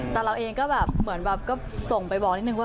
แต่เราเองก็แบบเมื่อเมื่อกี๊ก็ส่งไปบอกนิดหนึ่งว่า